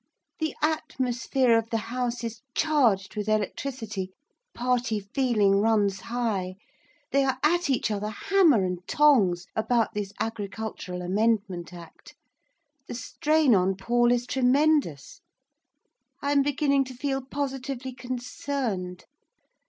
The atmosphere of the House is charged with electricity. Party feeling runs high. They are at each other, hammer and tongs, about this Agricultural Amendment Act. The strain on Paul is tremendous. I am beginning to feel positively concerned.